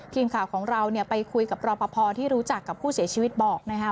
ทีมข่าวของเราเนี่ยไปคุยกับรอปภที่รู้จักกับผู้เสียชีวิตบอกนะคะ